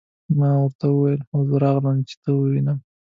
ما ورته وویل: هو زه راغلم، چې ته ووینم.